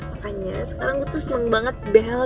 makanya sekarang gue tuh seneng banget bel